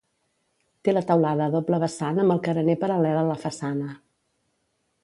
Té la teulada a doble vessant amb el carener paral·lel a la façana.